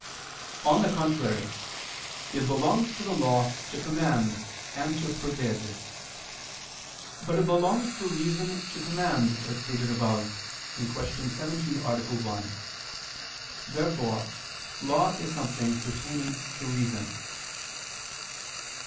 On the contrary, It belongs to the law to command and to forbid. But it belongs to reason to command, as stated above (Q. 17, A. 1). Therefore law is something pertaining to reason.